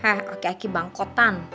hei okey okey bangkotan